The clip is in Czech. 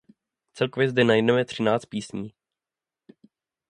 Celkově zde najdeme třináct písní.